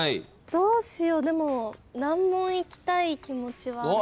どうしようでも難問いきたい気持ちはあるけど。